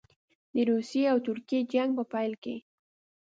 د روسیې او ترکیې جنګ په پیل کې.